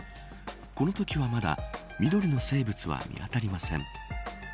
このときはまだ緑の生物は見当たりません。